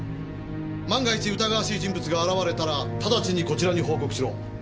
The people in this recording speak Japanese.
万が一疑わしい人物が現れたらただちにこちらに報告しろ。